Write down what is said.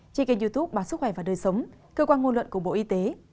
trên kênh youtube báo sức khỏe và đời sống cơ quan ngôn luận của bộ y tế